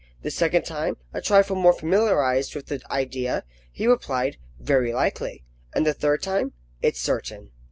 The second time; a trifle more familiarised with the idea, he replied, "Very likely;" and the third time, "It's certain."